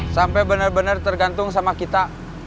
sampai bener bener tergantung sama kita